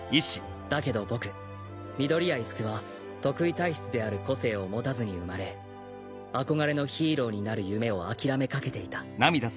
だけど僕緑谷出久は特異体質である個性を持たずに生まれ憧れのヒーローになる夢を諦めかけていた